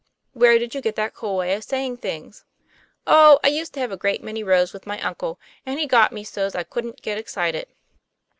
" Where did you get that cool way of saying things?" " Oh, I used to have a great many rows with my uncle; and he got me so's I couldn't get excited."